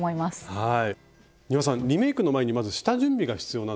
はい。